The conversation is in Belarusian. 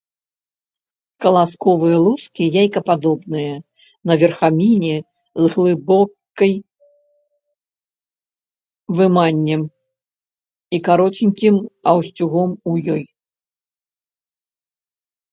Каласковыя лускі яйкападобныя, на верхавіне з глыбокай выманнем і кароценькім асцюком ў ёй.